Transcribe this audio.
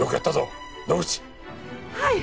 はい！